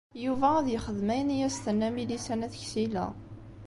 Yuba ad yexdem ayen i as-tenna Milisa n At Ksila.